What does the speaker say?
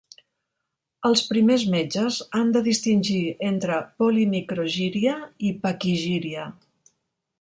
Els primers metges han de distingir entre polimicrogíria i paquigíria.